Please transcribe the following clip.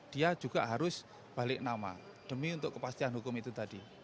dia juga harus balik nama demi untuk kepastian hukum itu tadi